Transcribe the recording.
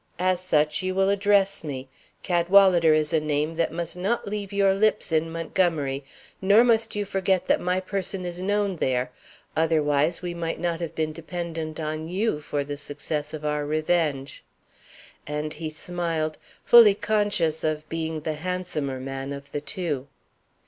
As such you will address me. Cadwalader is a name that must not leave your lips in Montgomery, nor must you forget that my person is known there, otherwise we might not have been dependent on you for the success of our revenge." And he smiled, fully conscious of being the handsomer man of the two.